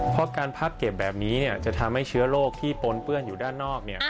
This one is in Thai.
เพราะการพับเก็บแบบนี้จะทำให้เชื้อโรคที่ปนเปื้อนอยู่ด้านนอก